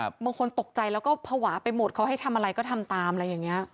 บางคนตกใจแล้วก็ภาวะไปหมดเขาให้ทำอะไรก็ทำตามอะไรอย่างเงี้ย